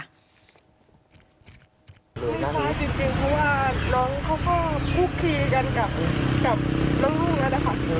คุณค่ะจริงคือว่าน้องเขาก็พูดคีย์กันกับลูกหน้านะคะ